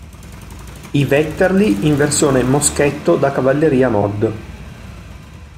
I "Vetterli" in versione "Moschetto da cavalleria Mod.